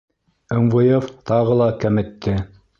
МВФ тағы ла кәметте